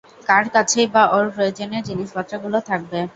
কার কাছেই বা ওর প্রয়োজনীয় জিনিসপত্রগুলো থাকবে?